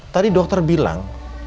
tadi dokter bilang